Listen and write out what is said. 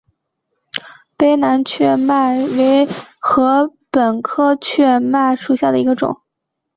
卑南雀麦为禾本科雀麦属下的一个种。